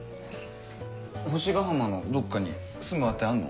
星ヶ浜のどっかに住む当てあんの？